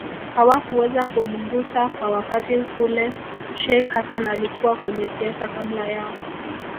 hawakuweza kumgusa kwa wakati hule Sheikh Hassan alikuwa kwenye siasa kabla ya